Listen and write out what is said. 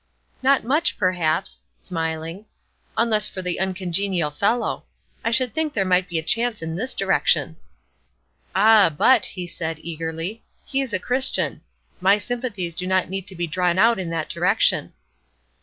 "Not much, perhaps," smiling, "unless for the uncongenial fellow. I should think there might be a chance in this direction." "Ah, but," he said, eagerly, "he is a Christian. My sympathies do not need to be drawn out in that direction."